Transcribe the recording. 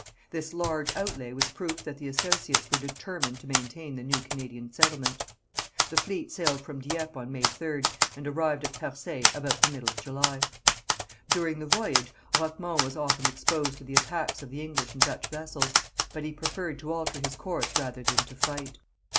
This large outlay was proof that the associates were determined to maintain the new Canadian settlement. The fleet sailed from Dieppe on May 3rd, and arrived at Percé about the middle of July. During the voyage Roquemont was often exposed to the attacks of the English and Dutch vessels, but he preferred to alter his course rather than to fight.